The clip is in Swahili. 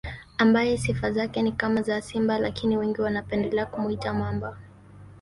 Ambaye sifa zake ni kama za simba lakini wengi wanapendelea kumuita Mamba